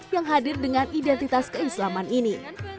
yang hadir dengan identitas keislaman ini